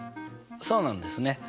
そうなんですね。